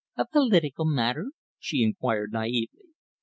"A political matter?" she inquired naively.